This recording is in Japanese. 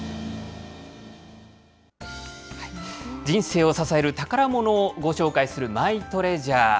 人生を支える宝ものをご紹介するマイトレジャー。